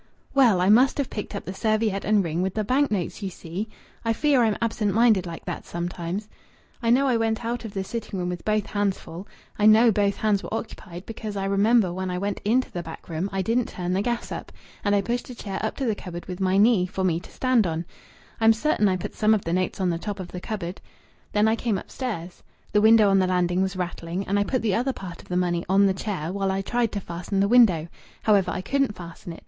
"Well, I must have picked up the serviette and ring with the bank notes, you see. I fear I'm absent minded like that sometimes. I know I went out of the sitting room with both hands full. I know both hands were occupied, because I remember when I went into the back room I didn't turn the gas up, and I pushed a chair up to the cupboard with my knee, for me to stand on. I'm certain I put some of the notes on the top of the cupboard. Then I came upstairs. The window on the landing was rattling, and I put the other part of the money on the chair while I tried to fasten the window. However, I couldn't fasten it.